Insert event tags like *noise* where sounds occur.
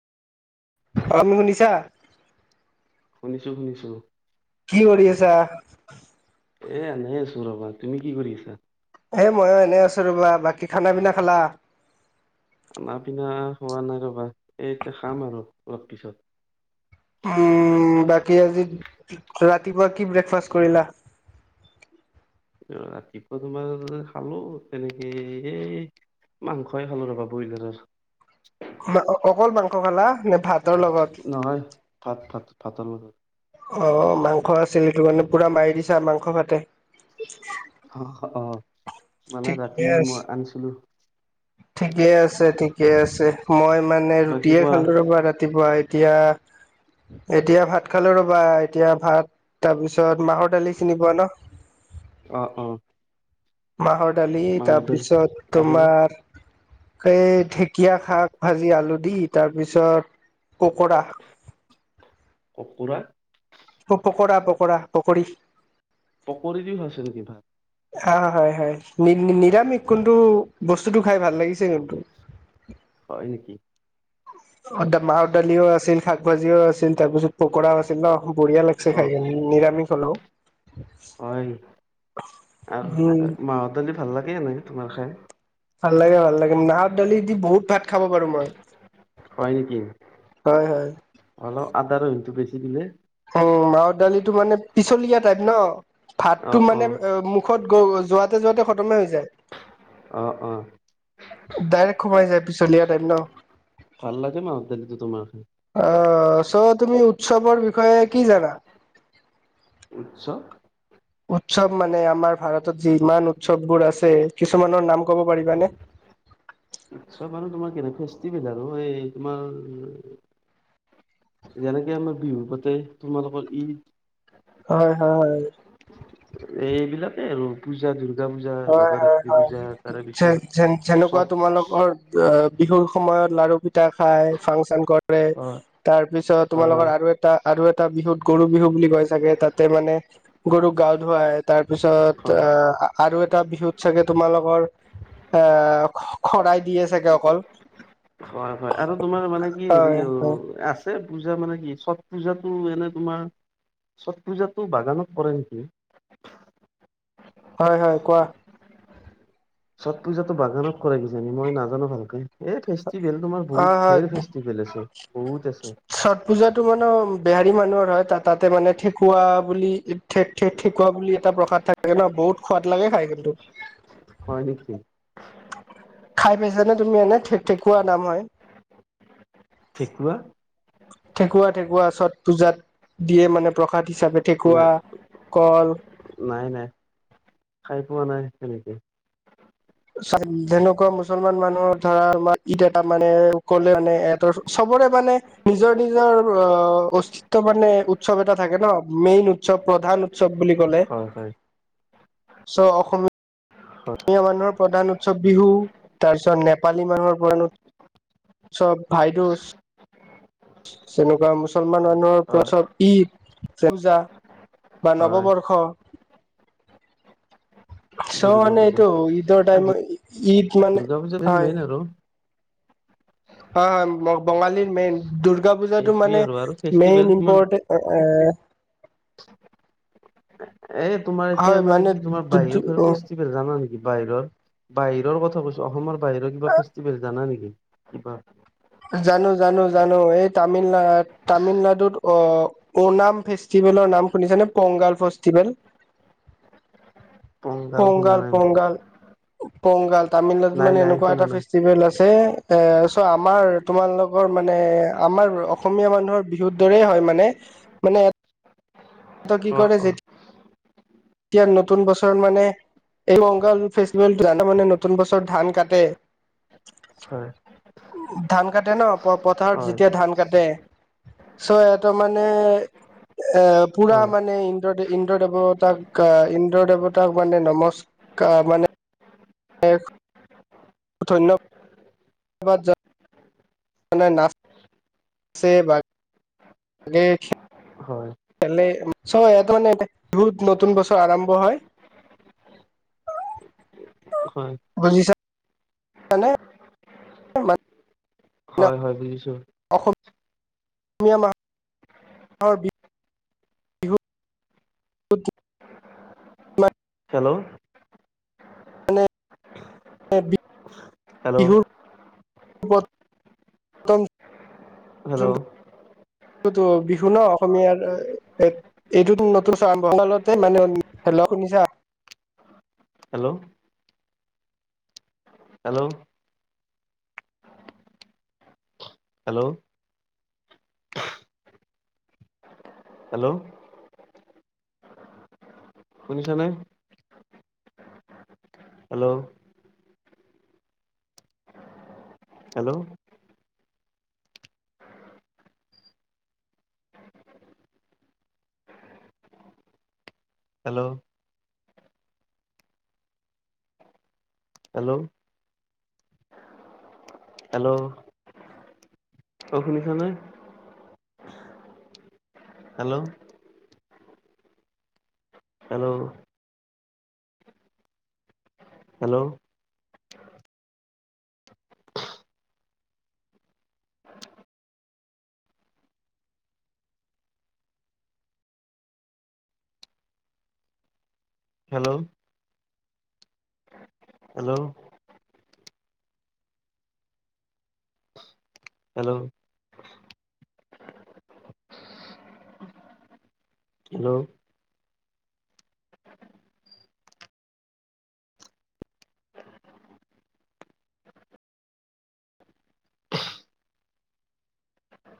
অ', *unintelligible* শুনিছা? শুনিছোঁ, শুনিছোঁ। কি কৰি আছা? এ এনে আছোঁ ৰবা, তুমি কি কৰি আছা? এ ময়ো এনেই আছোঁ ৰ'বা, বাকী খানা-পিনা খালা? খানা-পিনা হোৱা নাই ৰবা, এ এতিয়া খাম আৰু অলপ পিছত। উম, বাকী আজি ৰাতিপুৱা কি ব্ৰেকফাষ্ট কৰিলা? ৰাতিপুৱা তোমাৰ খালোঁ তেনেকে এ মাংসই খালোঁ ৰ'বা ব্ৰইলাৰৰ। অ', অ', অকল মাংস খালা নে, ভাতৰ লগত? নহয়, ভাত ভাত ভাতৰ লগত। অ অ' মাংস আছিল এইটো কাৰণে, পুৰা মাৰি দিছা মাংস ভাতে। *unintelligible* অহ অঁ' মানে ৰাতি মই আনিছিলো- ঠিকেই আছে, ঠিকে আছে। মই মানে বাকী ৰুটিয়ে কোৱা খালোঁ ৰবা ৰাতিপুৱা, এতিয়া- *inaudible* এতিয়া ভাত খালোঁ ৰবা এতিয়া ভাত, তাৰ পিছত মাহৰ দালি চিনি পোৱা ন? অঁ অঁ' মাহৰ দালি দালি তাৰপিছত আৰু তোমাৰ- এই ঢেকীয়া শাক ভাজি আলু দি, তাৰ পিছত পকৰা। কুকুৰা। অ পকৰা পকৰা, পকৰি। পকৰি দিও খাইছা নেকি ভাত? অ' হয় হয়, নি নিৰামিষ কোনটো, বস্তুটো খাই ভাল লাগিছে কিন্তু। হয় নিকি? অ দ মাহৰ দালিও আছিল, শাক ভাজিও আছিল, তাৰপিছত- পকৰাও আছিল ন, বঢ়িয়া লাগিছে অ খাইকিনে নিৰামিষ হ'লেও। হয়, আও উম মাহৰ দালি ভাল লাগে এনে তোমাৰ খাই। ভাল-লাগে ভাল-লাগে, মাহৰ দালি দি বহুত ভাত খাব পাৰো মই। হয় নেকি? হয় হয় অলপ আদা ৰহিটো বেছি দিলে- উম, মাহৰ দালিটো মানে পিছ্লীয়া টাইপ ন' ভাতটো অ', মানে অ', এ মোখ- খত গ' যোৱাতে-যোৱাতে খতমে হৈ যায়। অঁ অঁ' ডাইৰেক্ট সোমাই যায় পিছলিয়া টাইপ ন। ভাল লাগে মাহৰ দালিতো তোমাৰ। অ' চৌ তুমি উৎসৱৰ বিষয়ে কি জানা? উৎস- উৎসৱ মানে আমাৰ ভাৰতত যিমান উৎসৱবোৰ আছে কিছুমানৰ নাম ক'ব পাৰিবানে? চব আৰু তোমাৰ কেনে ফেষ্টিভেল আৰু এই তোমাৰ- যেনেকে আমাৰ বিহু পাতে, তোমালোকৰ ঈদ- হয় হয়। এইবিলাকে আৰু পূজা দূৰ্গ- দুূৰ্গা পূজা হয়, হয়, লগা হয়, ৰাত্ৰি হয়। পূজা তাৰে পিছত, চতচ্- য়া বিহুৰ সময়ত লাৰু পিঠ- তা খাই ফাংচন কৰে, হয়, তাৰ পিছত হয়, তোমালোকৰ হয়, আৰু এট- টা আৰু এটা বিহুত গৰু বিহু বুলি কয় চাগে, তাতে মানে গৰুক গা-ধুৱাই। তাৰপিছত, হয়। আ আৰু এটা বিহুত চাগে তোমালোকৰ- এ, শ-শৰাই দিয়ে চাগে অকল। হয় হয়, আৰু তোমাৰ মানে কি হয়, হেৰি ও হয়, আচ- তে পূজা মানে কি চট্ পূজাটো এনেই তোমাৰ, চট্ পূজাতটো বাগানত কৰে নেকি? হয় হয়, কোৱা। ছট পূজাটো বাগানত কৰে কিজানি? মই নাজানো ভালকে। এই ফেষ্টিভেল তোমাৰ হয়, বহুত হয়। ঢেৰ ফেষ্টিভেল আছে, বহুত আছে। ছট পূজাতটো মা'ন বেহাৰী মানুহৰ হয়, তাত তাতে মানে ঠেকুৱা বুলি- ঠেক ঠেক খেকুৱা বুলি এটা প্ৰসাদ থাকে ন, বহুত সোৱাদ লাগে খাই কিন্তু। হয় নিকি? খাই পাইছানে তুমি এনে? ঠে-ঠেকুৱা নাম হয় ঠেকুৱা? ঠেকুৱা-ঠেকুৱা চত পূজাত, দিয়ে মানে প্ৰসাদ হিচাপে ঠেকুৱা কল নাই-নাই, খাই পোৱা নাই তেনেকে তেনেকুৱা মুছলমান মানুহৰ ধৰা আমাৰ ঈদ এটা মানে অকলে মানে এৰ চবৰে মানে নিজৰ-নিজৰ অ্য, অস্তিত্ব মানে উৎসৱ এটা থাকে ন মেইন উৎসৱ প্ৰধান সৱ বুলি ক'লে, হয় হয়। চ-অসমী মীয়া মানুহৰ প্ৰধান উৎসৱ বিহু, তাৰ পিছত নেপালী মানুহৰ প্ৰধান উৎ চব ভাইদ'চ তেনেকুৱা মুছলমান মানুহৰ হয় প্ৰস্ৰৱ ঈদ, পূজা বা হয় নৱবৰ্ষ *inaudible* চ' দুৰ্গা মানে পূজা এইটো ঈদৰ টাইমত, ঈ-ঈদ দুৰ্গা পূজা মেইন-মেইন আৰু হয়-হয় ব-বঙালীৰ মেইন, দুূৰ্গা পূজাটো সেইটোৱে মানে, আৰু আৰু ফেষ্টিভেল মেইন তোমাৰ ইম্পৰটে এ-এ-এ এই তোমাৰ এতিয়া মানে কি তোমাৰ বাহিৰৰ ফালৰ ফেষ্টি তুমি জানা নেকি বাহিৰৰ বাহিৰৰ কথা কৈছো অসমৰ বাহিৰৰ কিবা ফেষ্টিভেল জানা নিকি? কিবা জানো-জানো-জানো এই তামিলনাড, তামিননাডুত অ' অ'নাম ফেষ্টিভেলৰ নাম শুনিছানে? পংগাল ফেষ্টিভেল *unintelligible* শুনা কংগাল নাই মই পংগাল কংগাল তামিলনাডুত নাই মানে নাই এনেকুৱা শুনা এটা নাই ফেষ্টিভেল আছে এ চ আমাৰ তোমালোকৰ মানে আমাৰ অসমীয়া মানুহৰ বিহুৰ দৰেই হয় মানে মানে ত কি অ কৰে অ যে এতিয়া নতুন বছৰ মানে এই বংগাল ফেষ্টিভেল জানা মানে নতুন বছৰ ধান কাটে *unintelligible* হয় ধান কাটে ন পথাৰত হয় যেতিয়া ধান কাটে চ' এটো মানে এ পুৰা হয় মানে ইন্দ্ৰ দে ইন্দ্ৰ দেৱতাক ইন্দ্ৰ দেৱতাক মানে নমস ক মানে এক ধন্য বাদ জনাই মানে না ছে ভ হয় দে হয় খলে চ ইয়াত মানে বিহুত নতুন বছৰ আৰম্ভ হয় হয় বুজিছ এনে *unintelligible* হয় হয় বুজিছো অসম -অসমীয়া মা আৰু বি *unintelligible* হেল্ল'। *unintelligible* হেল্ল' বিহুৰ *unintelligible* হেল্ল'। তো বিহু ন' অসমীয়াৰ এক এইটোত নতুন *unintelligible* মানে, হেল্ল' শুনিছা? Hello hello. Hello hello. শুনিছানে? Hello. Hello. Hello. Hello. Hello. অ' শুনিছানে? Hello. Hello. Hello. Hello. Hello. Hello. Hello.